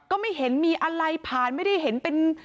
ก็ไม่เห็นมีอะไรผ่านไม่ได้เห็นเป็น